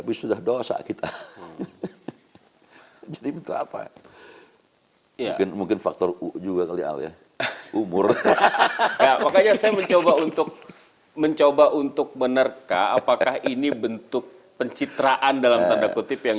pokoknya saya mencoba untuk menerka apakah ini bentuk pencitraan dalam tanda kutip yang